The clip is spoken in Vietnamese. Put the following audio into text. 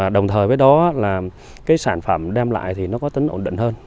đồng thời với đó là cái sản phẩm đem lại thì nó có tính ổn định hơn